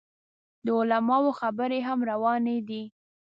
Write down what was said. د علماو خبرې هم روانې دي.